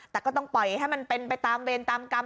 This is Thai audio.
แต่ก็ต้องปล่อยให้มันเป็นไปตามเวรตามกรรม